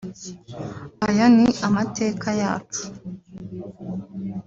Aya ni amateka yacu